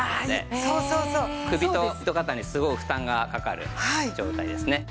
首と肩にすごい負担がかかる状態ですね。